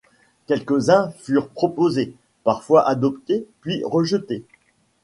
Quelques-uns furent proposés, parfois adoptés, puis rejetés.